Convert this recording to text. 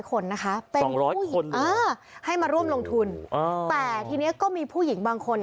๒๐๐คนเหรออ้าวให้มาร่วมลงทุนแต่ทีนี้ก็มีผู้หญิงบางคน